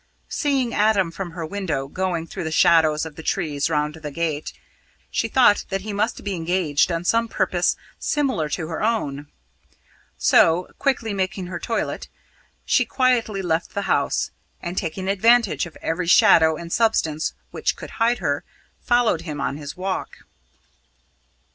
Seeing Adam from her window going through the shadows of the trees round the gate, she thought that he must be engaged on some purpose similar to her own. So, quickly making her toilet, she quietly left the house, and, taking advantage of every shadow and substance which could hide her, followed him on his walk.